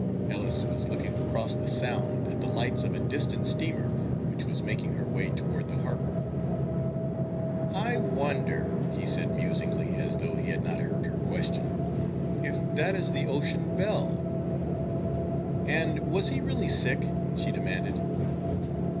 Ellis was looking across the sound, at the lights of a distant steamer which was making her way toward the harbor. "I wonder," he said musingly, as though he had not heard her question, "if that is the Ocean Belle?" "And was he really sick?" she demanded.